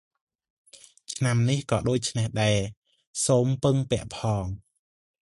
ឆ្នាំនេះក៏ដូច្នេះដែរ សូមពឹងពាក់ផង ។